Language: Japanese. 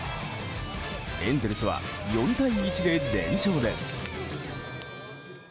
エンゼルスは４対１で連勝です。